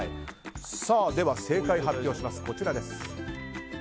では正解、発表します。